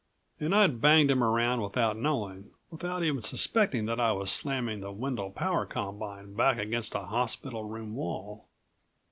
And I'd banged him around without knowing, without even suspecting that I was slamming the Wendel Power Combine back against a hospital room wall.